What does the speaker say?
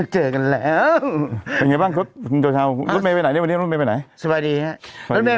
เจอกันแล้วเป็นไงบ้างรุ่นเมย์ไปไหนรุ่นเมย์ไปไหนสวัสดีครับ